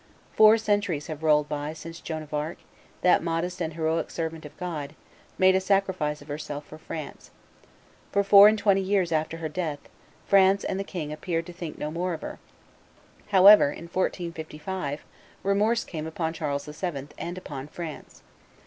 Four centuries have rolled by since Joan of Arc, that modest and heroic servant of God, made a sacrifice of herself for France. For four and twenty years after her death, France and the king appeared to think no more of her. However, in 1455, remorse came upon Charles VII. and upon France.